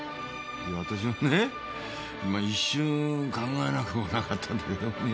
いや私もね一瞬考えなくもなかったんだけどね。